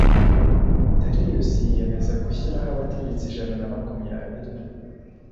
Dariyusi yiyemeza gushyiraho abategetsi ijana na makumyabiri